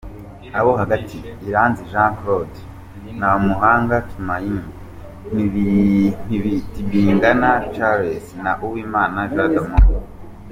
Abo hagati : Iranzi Jean Claude, Ntamuhanga Tumaini, Tibingana Charles na Uwimana Jean d’Amour.